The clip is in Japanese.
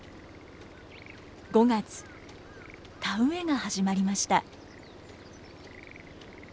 田植えが始まりました。